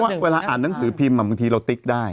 เวลาอ่านหนังสือพิมพ์บางทีเราติ๊กได้